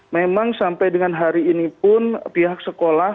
memang sampai dengan hari ini pun pihak sekolah